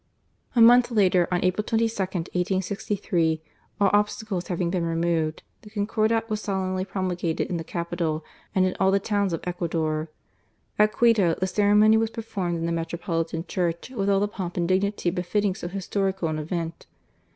A month later, on April 22, 1863, all obstacles having been removed, the Concordat was solemnly promulgated in the capital and in all the towns of Ecuador. At Quito the ceremony was performed in the metropolitan church with all the pomp and dignity befitting so historical an event.